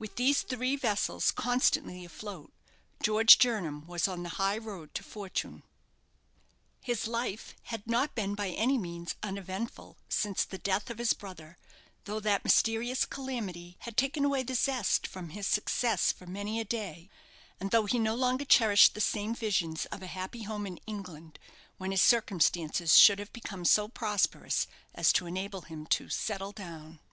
With these three vessels constantly afloat. George Jernam was on the high road to fortune. His life had not been by any means uneventful since the death of his brother, though that mysterious calamity had taken away the zest from his success for many a day, and though he no longer cherished the same visions of a happy home in England, when his circumstances should have become so prosperous as to enable him to "settle down."